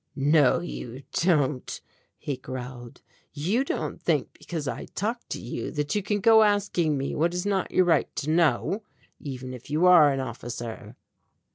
"No you don't," he growled, "you don't think because I talk to you, that you can go asking me what is not your right to know, even if you are an officer?"